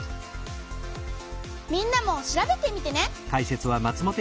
みんなも調べてみてね！